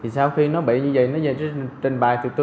sau khi nó bị như vậy nó trình bày từ tôi rất là